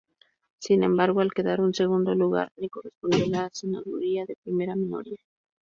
Sin embargo, al quedar en segundo lugar, le correspondió la senaduría de primera minoría.